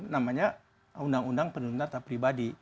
namanya undang undang perlindungan data pribadi